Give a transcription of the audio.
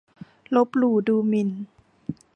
ลบหลู่ดูหมิ่น